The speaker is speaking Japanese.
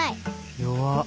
弱っ。